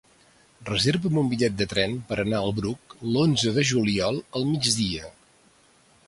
Reserva'm un bitllet de tren per anar al Bruc l'onze de juliol al migdia.